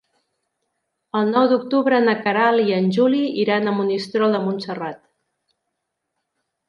El nou d'octubre na Queralt i en Juli iran a Monistrol de Montserrat.